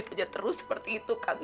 pencet terus seperti itu kang